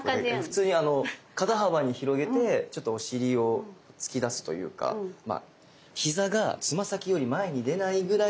普通に肩幅に広げてちょっとお尻を突き出すというか膝がつま先より前に出ないぐらいちょっと下げて。